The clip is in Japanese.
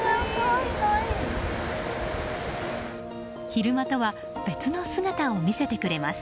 昼間とは別の姿を見せてくれます。